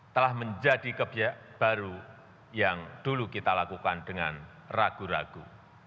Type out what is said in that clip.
telah menjadi kebijak baru yang dulu kita lakukan dengan ragu ragu